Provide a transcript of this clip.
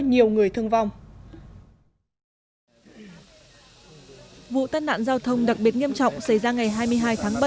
nhiều người thương vong vụ tai nạn giao thông đặc biệt nghiêm trọng xảy ra ngày hai mươi hai tháng bảy